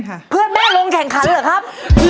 เหึ้นลงแข่งขันหรือครับ